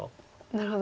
なるほど。